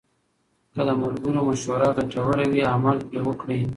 که د ملګرو مشوره ګټوره وي، عمل پرې وکړئ.